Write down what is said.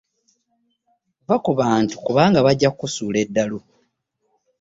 Vva ku bantu kubanga bajja kukusuula eddalu.